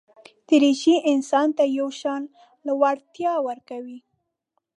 دریشي انسان ته یو شان لوړتیا ورکوي.